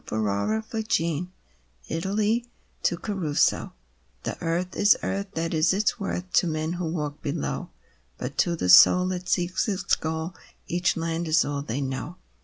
r i09i DAY DREAMS ITALY (To Caruso) The earth is earth — that is its worth, To men who walk below. But to the soul that seeks its goal, Each land is all they know.